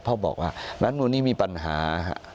พ่อบอกว่ารัฐมนุนนี้มีปัญหาฮะ